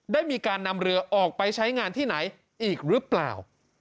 ได้มีการนำเรือออกไปใช้งานที่ไหนอีกหรือเปล่า